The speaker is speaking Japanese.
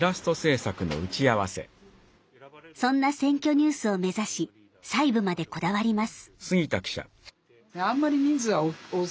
そんな「選挙ニュース」を目指し細部までこだわります。